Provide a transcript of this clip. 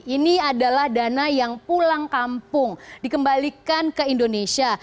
ini adalah dana yang pulang kampung dikembalikan ke indonesia